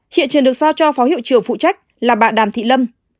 hiện trường được giao cho phó hiệu trưởng phụ trách là bà đàm thị lâm